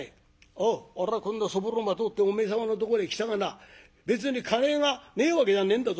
おうおらはこんなそぼろまとってお前様のとこに来たがな別に金がねえわけじゃねんだぞ。